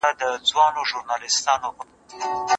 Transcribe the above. دوی به د غوښتنو د مغلوبولو لپاره په نېکو نیتونو ولاړ وو.